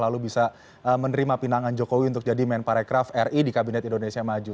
lalu bisa menerima pinangan jokowi untuk jadi men parekraf ri di kabinet indonesia maju